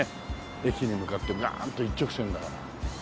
駅に向かってガーンと一直線だから。